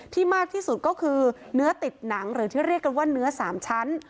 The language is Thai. มากที่สุดก็คือเนื้อติดหนังหรือที่เรียกกันว่าเนื้อ๓ชั้น